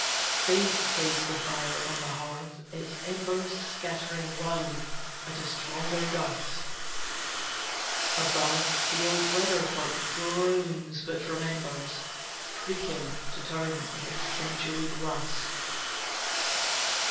Faint fades the fire on the hearth, its embers Scattering wide at a stronger gust. Above, the old weathercock groans, but remembers Creaking, to turn, in its centuried rust.